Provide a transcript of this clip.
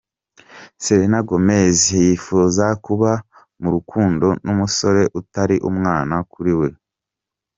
Selena Gomez yifuza kuba mu rukundo n'umusore utari umwana kuri we.